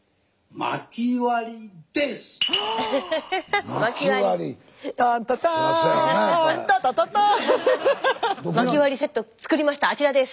まき割りセットつくりましたあちらです。